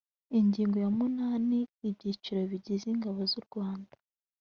ingingo ya munani ibyiciro bigize ingabo z’u rwanda